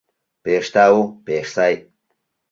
Пеш тау, пеш сай!..